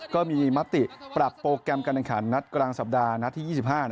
ก็มีมติปรับโปรแกรมการแข่งขันนัดกลางสัปดาห์นัดที่๒๕